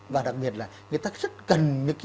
và đặc biệt là người ta rất cần